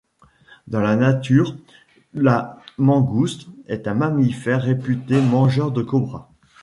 Dans la nature, la mangouste est un mammifère réputé mangeur de cobras.